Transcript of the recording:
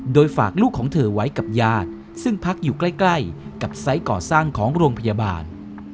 โดยฝากลูกของเธอไว้กับญาติซึ่งพักอยู่ใกล้กับไซส์ก่อสร้างของโรงพยาบาล